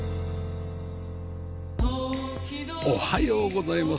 おはようございます。